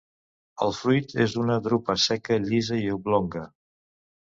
El fruit és una drupa seca llisa i oblonga.